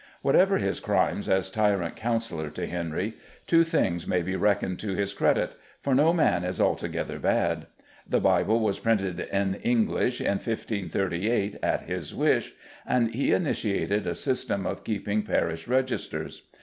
Whatever his crimes as tyrant councillor to Henry, two things may be reckoned to his credit, for no man is altogether bad. The Bible was printed in English, in 1538, at his wish, and he initiated a system of keeping parish registers.